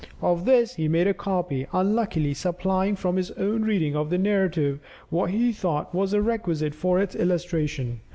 Of this he made a copy, unluckily supplying from his own reading of the narrative what he thought was requisite for its illustration.